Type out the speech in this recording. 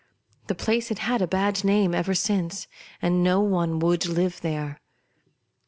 The place had had a bad name ever since, and no one would live there.